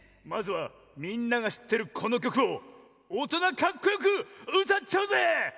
まずはみんながしってるこのきょくをおとなカッコよくうたっちゃうぜ！